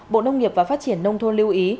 bộ nông nghiệp và phát triển nông thôn lưu ý